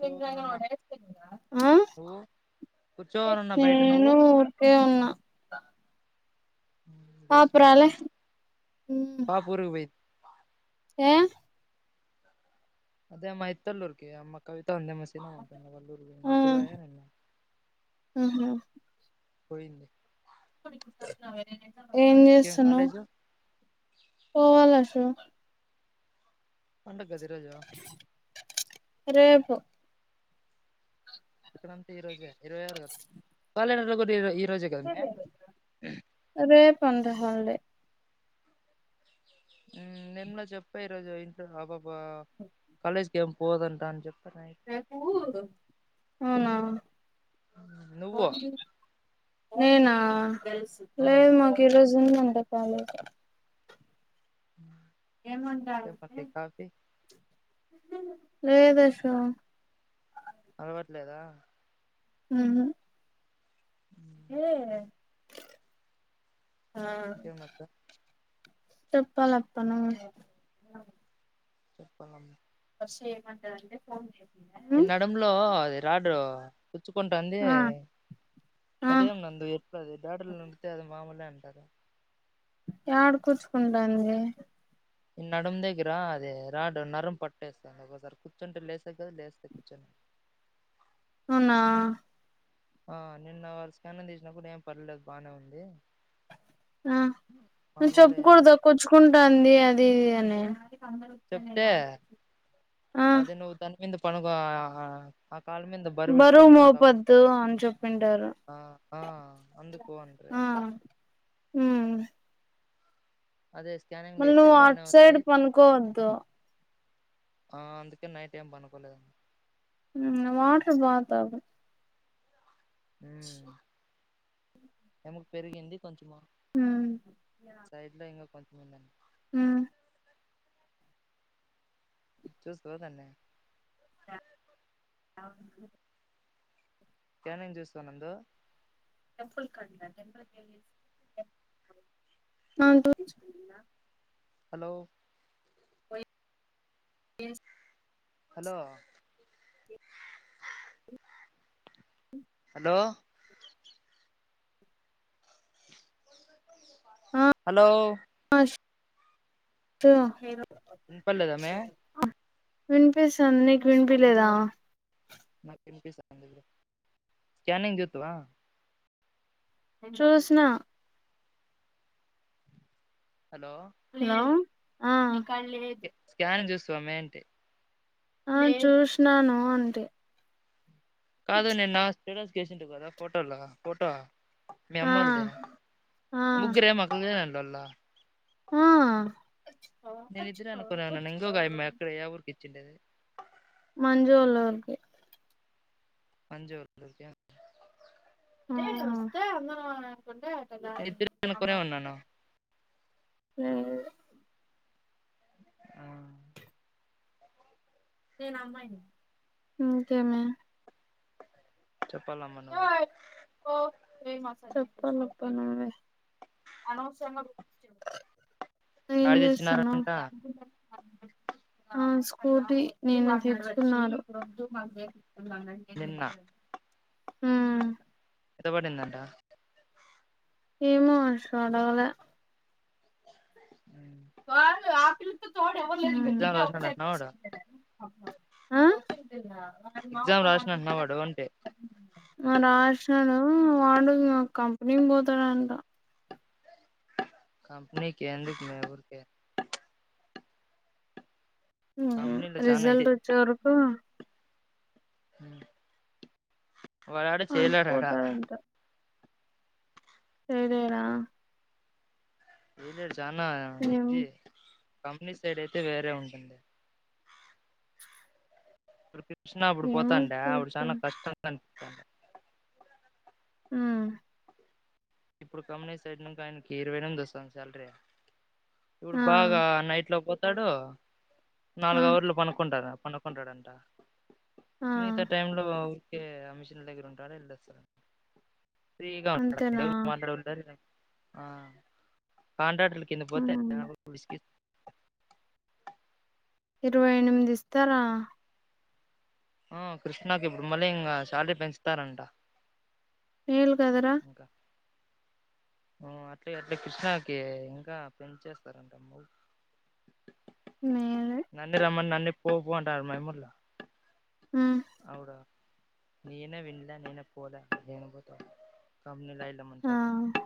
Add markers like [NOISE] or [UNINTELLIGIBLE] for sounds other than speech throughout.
కూర్చోనున్నా నువ్వు కూర్చోనున్నా బయట నువ్వు నేను ఊకే ఉన్నా వేశినవా పాపరాలే పాపురుగు పోయి ఏ అదే మైత్తూలోరికి అమ్మ కవి అందమసన బలరు ఆ తూ బాయరన్నా పోయింది స్తున్నావే ఏం చేస్తాను పోవాలసలు పంట గది రాజా రేపు ఇక్కడంతే ఈ రోజే ఇరవైరు కదా రోజు కదమే సండే హాలిడే నేనులో చెప్ప ఈరోజు ఇంటలో ఆబ్బాబా కాలేజ్కి ఏమి పోదంటా అని చెప్ప రకు అవునా నువ్వో ఏనా ఆ లేదు మాకిరోజు అ కాల! ! ! ఏమంటారు ఇంకేమండి కాఫీ లేదషో అలవట్లేదా హ్మ్ హ్మ్ హ ఆ ఇంకేం నచ్చ చెప్పాలప్పన చెప్పాలం షే మధ ఫంది ఎ నడలో అది రాడ్ గుచ్చుకుంటుంది ఆ ఆ అదేం నంది ఎది డలు నితే అది మామలే అంటారు ఏడ గుచ్చుకుంటుంది ఈ నడుము దగ్గర అదే రాడు నరం పట్టేస్తుంది ఒసారి కూర్చుంటే లేసా కదా లేస్తే కూర్చుంట అవునా ఆ నిన్న స్కాన్ తీసినా కూడా ఏం పర్లేదు బాగానే ఉంది ఆ మామూలే చెప్పుకూడదు కొచ్చుకుంటుంది అది అది అని చెప్తే ఆ అదే నువ్వుతాని అ పనుగ కాలమ బర్వడి బరువు పడకు ఉంటా మోపద్దు అని చెప్పింటారు ఆ ఆ అందు పోవండ హు అదే స్కానింగ్ లో మ అయితే నువ్వు బానే అవుట్ ఉంది సైడ్ పనుకోవద్దు ఆ అందుకే నైట్ ఏం పనుకోలేదు వాటర్ పాతక ఉమ్ క్ష ఎముక పెరిగింది కొంచమా ఉమ్ సైడ్లో ఇ కొ ఉ [INAUDIBLE] ఉ చూసుకోదన్నే అవును యానం చూస్తానుందు [UNINTELLIGIBLE] హలో వయి హలో హలో హలో త ఇ పర్లేదామే వినిపిస్తోంది మీకు వినిపియ్యలేదా చాన్విన్ చూస్తావా చూసిన హలో హలో ఆ క్క లేదు సమే అంటి ఆ చూసినాను అంటే కాదు నిన్న స్టేటస్ కేసుంటివి కదా ఫోటోలు ఫోటో మీ ఆ అమ్మల్దీ ఆ ముగ్గురే మా [UNINTELLIGIBLE] అ ఆ నేను ఇద్దరే అనుకోనేన్నను ఇంకొకమే అమ్మె ఎక్కడ ఎ ఊరికి చుండరు మంజోళ్ళురికి మంజూళ్ళూరిక ఆ నిను ఇద్దరు [UNINTELLIGIBLE] ఉన్నాను మ్ ఆ ఇం కేమి చెప్పాలమ్మ నువ్వే చెప్పాలబ్బా నువ్వే ఏం యాడ చేస్తానవ్ తెచ్చినారంట ఆ స్కూటీ నిన్న తేచ్చుకున్నారు నిన్న ఉమ్ ఎంతపడిందంటా ఏమో అసలు అడగలే కాారు ఆపిలిలకు హు ఎగ్జామ్ రాసినాడు అంటనా వాడు ఎగ్జామ్ రాసినాడు అంటనా వాడు అంటే ఆ ఆ రాశినాడు హు వాడు గ కంపెనీకి పోతాడాంట కంపనీ కే ఎందుకనే ఊరికే కంపెనీలో చానా ఇది రిజల్ట్ వచ్చే వరకు అ వాడాడ చెయ్యలేడాడ ఆడిపోతారంట సరేనా ఎం చెస్ తనా ఏం ఇజ్ కంపెనీస్ సైడ్ అయితే వేరే ఉంటది కృ కృష్ణ అప్పుడు ఏమో పోతాంటే అప్పుడు చూద్దాం చాలా కష్టండి అన్ అ ఆ ఇప్పుడు కమనే సైడ్ నుంచి ఆయనకి ఇరవై రెండు వస్తాంది సాలరీ ఇప్పుడు ఆ బాగా నైట్ లో పోత్ తడు ఆ నాలుగు అవర్లు పనుకుంటారు. కొనకుంటాడంట ఆ మిగతా టైమ్ లో కే అమిషన్ దగ్గర ఉంటడు వెల్లొస్తారు. అది అక్ డ్క అంతేనా డౌట్ మాట్లాడవచ్చా లేదా ఆ పండటలు కింద పోతే ఉమ్ ఇరవై ఎనిమిది ఇస్తారా ఆ కృష్ణకి ఇప్పుడు మళ్ళీ ఇంకా శాలరి పెంచుతారంట. ఏల్ కదరా ఉ అట్లే అట్లే క్రిష్ణాకి ఇంకా పెంచేస్తారంట అమ్మో మేలే నన్నీ రమన్ నన్నీ ఎ పోపో అంటాన్రు మా అమ్మళ్ళు ఉమ్ అవునా నీనే విన్నలే నేనే పోలే దేనికి పోతవ్ నిన్ మంచి ఆ గా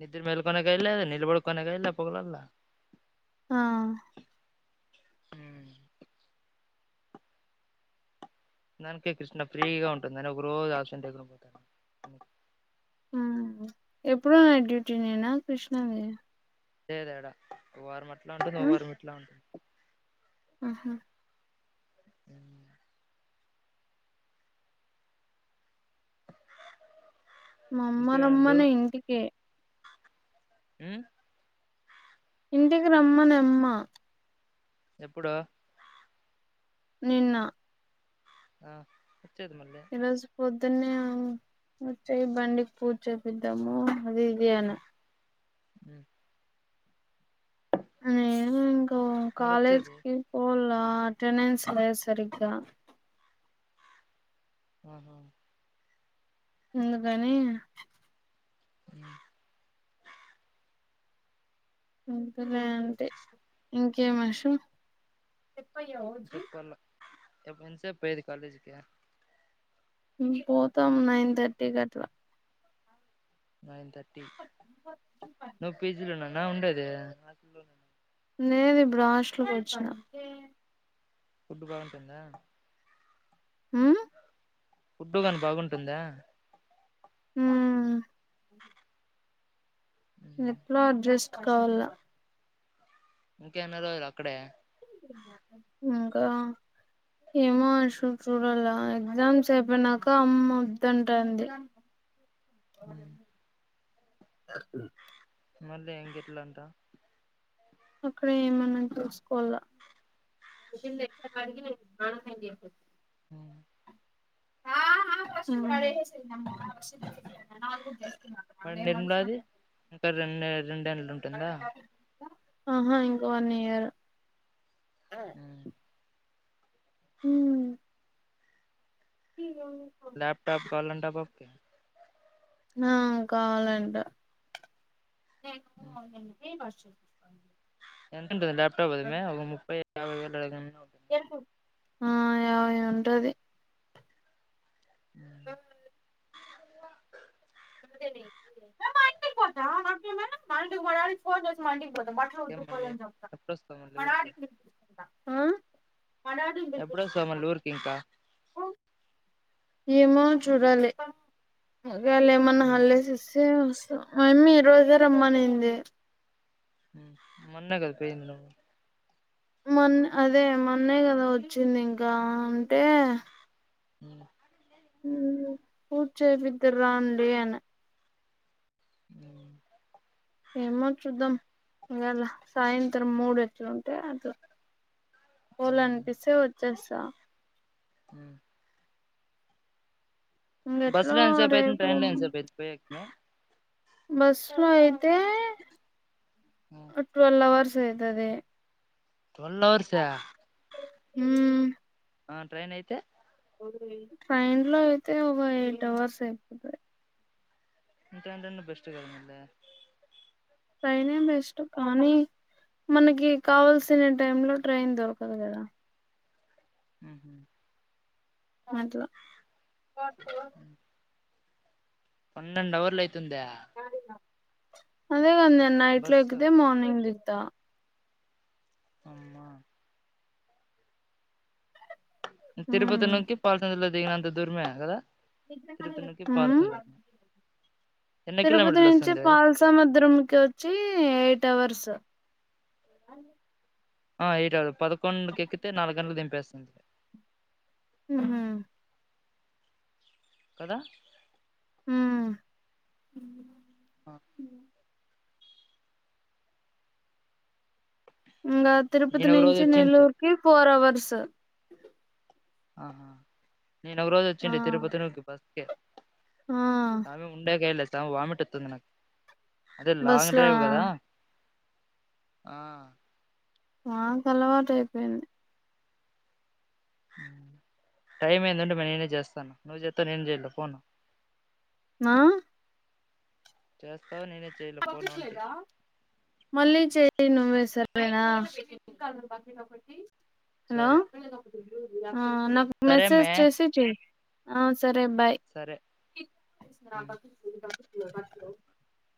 నిద్ర మేల్ కొనగ అయిలే నిల్బడు కొనగ అయిలే పోవల్ల ఆ దనికే క్రిష్ణ ఫ్రీగా ఉంటుంది. అని ఒక రోజు ఆప్సెంట్ అయితనావ్ పోతాను ఆ ఎప్పుడు నైట్ డ్యూటీ నేనా క్రిష్ణవి లేదాడా వారం మట్ ఇట్లాఉంటుంది ఒక ఉమ్ వారం ఇట్లా ఉంటుంది ఆహా అ మా అమ్మ ఇంకేముందు రమ్మంది ఇంటికి ఉమ్ ఇంటికి రమ్మని అమ్మ ఎప్పుడు నిన్న ఆ వచ్చేది మళ్ళీ ఈరోజు పొద్దున్నే వచ్చేయి బండికి పూజ చేపిద్దాము అది ఇది అన్న అ అ ఓ మళ్ళీ కాలేజ్ వచ్చేది కి పోలా అటెండెన్స్ లే సరిగా ఆహా ఎందుకని అ అందుకనే అంటే ఇంకేమషం చెప్పయ్య ఓజీ ఎప్పు ఎంత సేపు పోయేది కాలేజ్ కి ఉమ్ పోతాం నైన్ థర్టీ కి అట్లా నైన్ థర్టీ ర్టీ ఫీజలున్నా అ ఉండేది నేనే బ్రాస్లు తెచ్చిన ఫుడ్ బాగుంటుందా ఉమ్ ఫుడ్ కానీ బాగుంటుందా హమ్ ఎట్లా అడ్జస్ట్ కావాలా ఇంకెన్ని రోజులు అక్కడే ఇంకా ఏమో అసలు చూడాల ఎగ్జామ్స్ అయిపోయినాక అమ్మొద్దంటాంది ఉమ్ యార్ మళ్ళీ ఏం గిట్లంటా అక్కడే ఏమన్నా చూసుకోవాలా హమ్ ఆమ్ మరి నిర్మలాది ఇంకా రెండు రెండేళ్లు ఉంటుందా ఆహా ఇంకా వన్ ఇయర్ ఆమ్ హమ్ హ ఓకే ఆ కావాలంటే నేను వర్ష చెప్పాలి నువ్వే ఎంతుంటందిద ల్యాప్ ఉంటది గదమే ఒక ముప్పై యాభై వేలు దలగం అవుతుందా ఆ యాభై ఉంటది ఆ మా ఇంటికి పోతాం మాకేమీ మా డాడీ కి ఫోన్ చేసి మా ఇంటికి పోతాం బట్టలు ఇంకేం మళ్ళీ ఉతుక్కోవల్లని చెప్తాను ఎప్పుడొస్తావు మళ్ళీ మా డాడీకి ఆ ఎప్పుడొస్తావ్ మళ్ళీ ఊరికి ఇంకా ఏమో చూడాలి అగా మొన్న హాలిడేస్ ఇస్తే వస్తా మా అమ్మ ఈరోజే రమ్మనింది ఉమ్ మొన్నే కదా పోయింది నువ్వు మొన్నే అదే మొన్నే కదా వచ్చింది ఇంకా అంటే హమ్ ఉమే పూజా చేపిద్దురు రాండి అని అమ్ ఏమో చూద్దాం ఇవాళ సాయంత్రం మూడు ఎట్లుంటే అట్లా పోవాల అనిపిస్తే వచ్చేస్తా త్త హమ్ బస్ ఇంకెట్లో లో ఎంతసేపు అయితుంది రేపు ట్రైన్ లో ఎంతసేపు అయితుంది పోయి టప్పుడు బస్ లో అయితే అయితే నువ్వు? ఓ టువల్ అవర్స్ అయితది ట్విల్ అవర్స్ ఆ హమ్ ఆ ట్రైన్ అయితే ట్రైన్ లో అయితే ఒక ఎయిట్ అవర్స్ అయిపోతాయి ఇంకా అంటే బెస్ట్ కాద మలే ట్రైనే బెస్ట్ కానీ మనకి కావాల్సిన టైం లో ట్రైన్ దొరకదు కదా ఉహుమ్ అట్ల అమ్ పన్నెండు అవర్ల అయితే తుందా అదేగాన్న నైట్ లో ఎక్కితే మార్నింగ్ దిగు త అమ్మా తిరుపతి మ్మ్ నోంకి పాసింజర్ అంత దుర్మే కదా తిరుపతి నుంచి ఉమ్ పాలసందులు ఎన్ని తిరుపతి కిలోమీటర్లు నుంచి వస్తుంది పాలసముద్రం కి వచ్చి ఎయిట్ అవర్స్ అ ఆ ఏట్ పదకొండుకి ఎక్కితే నాలుగు గంటలు దింపేస్తుంది ఉహు కదా ఆ ఆ ఇగా తిరుపతి నేను ఒక రోజు నుంచి వచ్చింటి నెల్లూరు కి ఫోర్ అవర్ స్స ఆహ నేను ఒరోజు ఆ వచ్చిండి తిరుపతిలోకి బ కే ఆ కామి ఉండెగేలేసే వామిట్ అత్తంది నాక్ అదే బస్ లాంగ్ లో డ్రైవ్ కదా ఆ నాకు అలవాటు అయిపోయింది ఉమ్ టైం ఏందంటే మే నేనే చేస్తాను నువ్వు చేస్తా నేను చేయల్ల ఫోన్ ఆ చెస్ మళ్లి చేేయ్ నువేస ఆ హలో సరే ఆ నాకు సరే మెసేజ్ మే చేసి చెయ్ ఆ సరే బాయ్ సరే ఉమ్ [INAUDIBLE]